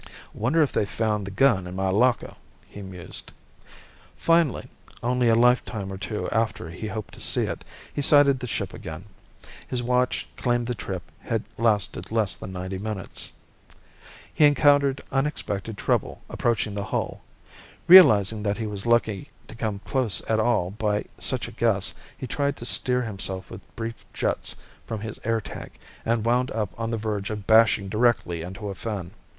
Wonder if they found the gun in my locker? he mused. Finally, only a lifetime or two after he hoped to see it, he sighted the ship again. His watch claimed the trip had lasted less than ninety minutes. He encountered unexpected trouble approaching the hull. Realizing that he was lucky to come close at all by such a guess, he tried to steer himself with brief jets from his air tank, and wound up on the verge of bashing directly into a fin.